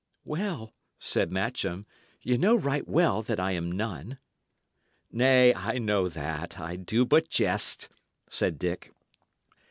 "Well," said Matcham, "ye know right well that I am none." "Nay, I know that; I do but jest," said Dick.